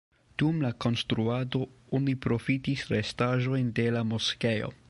Dum la konstruado oni profitis restaĵojn de la moskeo.